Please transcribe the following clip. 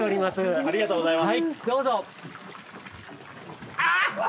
ありがとうございます。